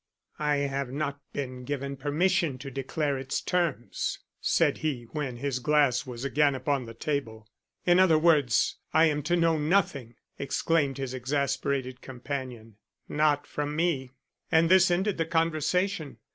"I have not been given permission to declare its terms," said he, when his glass was again upon the table. "In other words, I am to know nothing," exclaimed his exasperated companion. "Not from me." And this ended the conversation.